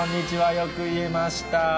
よく言えました。